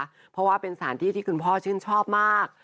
เพราะว่าเป็นสถานที่ที่คุณพ่อชื่นชอบมาก